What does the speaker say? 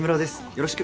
よろしく。